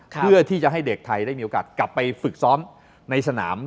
เพื่อที่จะให้เด็กไทยได้มีโอกาสกลับไปฝึกซ้อมในสนาม